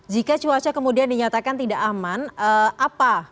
jika cuaca kemudian dinyatakan tidak aman apa